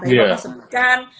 tadi pak pandu sebutkan